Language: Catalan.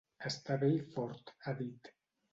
Està bé i fort, ha dit.